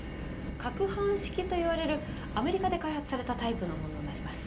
かくはん式といわれるアメリカで開発されたタイプのものになります。